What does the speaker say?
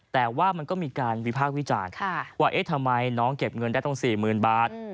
แต่ว่ามันก็มีการวิพากษ์วิจารณ์ว่าเอ๊ะทำไมน้องเก็บเงินได้ต้อง๔๐๐๐บาท